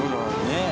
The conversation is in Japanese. ねえ。